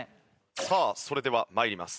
さあそれでは参ります。